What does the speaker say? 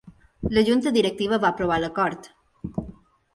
La junta directiva va aprovar l’acord.